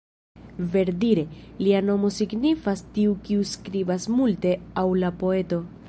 Verdire, lia nomo signifas "tiu kiu skribas multe" aŭ la poeto.